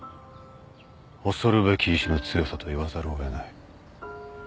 恐るべき意志の強さと言わざるを得ない。